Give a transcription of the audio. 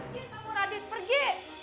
pergi kamu radit pergi